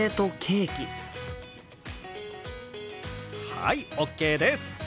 はいＯＫです！